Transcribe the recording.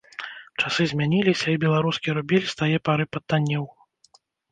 Часы змяніліся, і беларускі рубель з тае пары патаннеў.